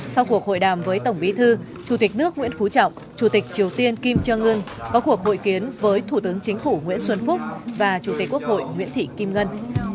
sau cuộc hội đàm với tổng bí thư chủ tịch nước nguyễn phú trọng chủ tịch triều tiên kim trương ương có cuộc hội kiến với thủ tướng chính phủ nguyễn xuân phúc và chủ tịch quốc hội nguyễn thị kim ngân